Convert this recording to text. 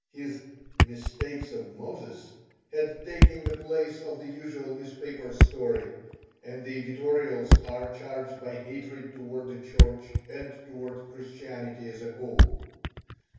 His "Mistakes of Moses" had taken the place of the usual newspaper story, and the editorials are charged by hatred towards the Church and towards Christianity as a whole.